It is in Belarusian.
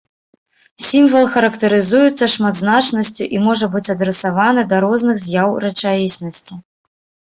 Сімвал характарызуецца шматзначнасцю і можа быць адрасаваны да розных з'яў рэчаіснасці.